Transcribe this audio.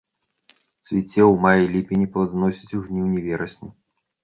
Цвіце у маі-ліпені, плоданасіць у жніўні-верасні.